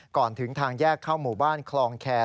ก่อนถึงทางแยกเข้าหมู่บ้านคลองแคร์